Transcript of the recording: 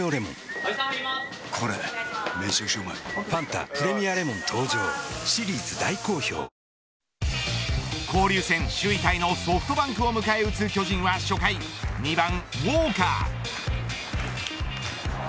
タイのヤクルトは初回交流戦首位タイのソフトバンクを迎え撃つ巨人は初回２番ウォーカー。